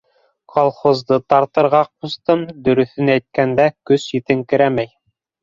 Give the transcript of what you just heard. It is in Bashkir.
Колхозды тартырға, ҡустым, дөрөҫөн әйткәндә, көс етеңкерәмәй...